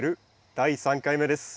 第３回目です。